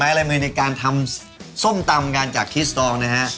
อะไรเมืองการทำส้มตำกันจากลูกสองนะฮะ